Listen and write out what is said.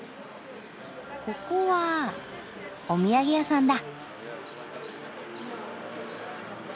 ここはお土産屋さんだ。